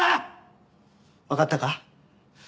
わかったか？